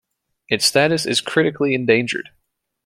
Its status is critically endangered.